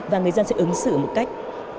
và người dân sẽ ứng xử một cách